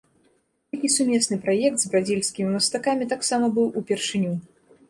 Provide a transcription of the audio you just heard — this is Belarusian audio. Такі сумесны праект з бразільскімі мастакамі таксама быў упершыню.